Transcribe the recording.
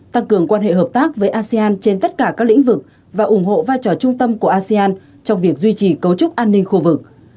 tăng cường quan hệ hợp tác với asean trên tất cả các lĩnh vực và ủng hộ vai trò trung tâm của asean trong việc duy trì cấu trúc an ninh khu vực